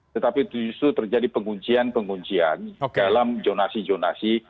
tetapi justru terjadi penguncian penguncian dalam jonasi jonasi